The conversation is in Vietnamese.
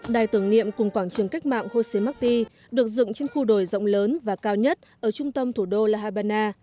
đài tưởng niệm cùng quảng trường cách mạng jose marti được dựng trên khu đồi rộng lớn và cao nhất ở trung tâm thủ đô la habana